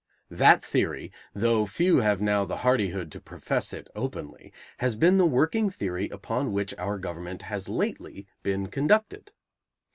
That theory, though few have now the hardihood to profess it openly, has been the working theory upon which our government has lately been conducted.